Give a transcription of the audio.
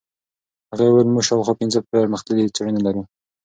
هغې وویل موږ شاوخوا پنځه پرمختللې څېړنې لرو.